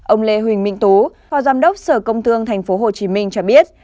ông lê huỳnh minh tú phó giám đốc sở công thương tp hcm cho biết